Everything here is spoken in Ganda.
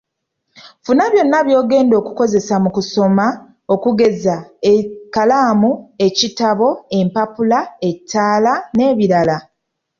Funa byonna by'ogenda okukozesa mu kusoma okugeza ekkalaamu, ekitabo, empapula ettaala n’ebirala.